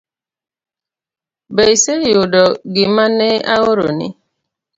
Be iseyudo gimane aoroni?